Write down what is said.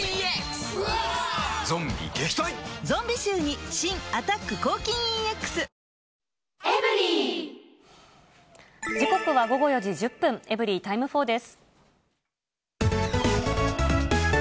ゾンビ臭に新「アタック抗菌ＥＸ」時刻は午後４時１０分、エブリィタイム４です。